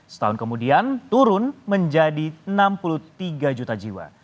setahun kemudian turun menjadi enam puluh tiga juta jiwa